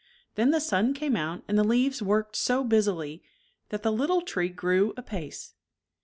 Then the sun came out and the leaves worked so busily that the little tree grew apace.